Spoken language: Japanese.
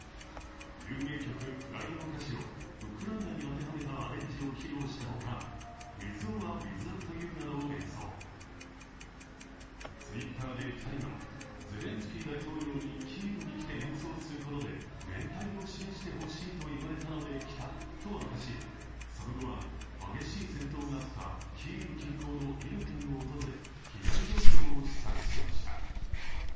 有名曲「Ｐｒｉｄｅ」の歌詞をウクライナに当てはめたアレンジを披露したほか、「ＷｉｔｈＯｒＷｉｔｈｏｕｔＹｏｕ」などを演奏Ｔｗｉｔｔｅｒで２人は、ゼレンスキー大統領にキーウに来て演奏することで連帯を示してほしいと言われたので来たと明かし、その後は、激しい戦闘があったキーウ近郊のイルピンを訪れ、被害状況を視察しました。